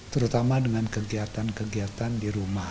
terutama dengan kegiatan kegiatan di rumah